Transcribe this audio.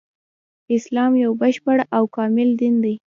اسلام يو بشپړ او کامل دين دی